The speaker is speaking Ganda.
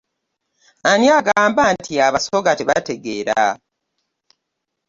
Ani agamba nti abasoga tebategeera?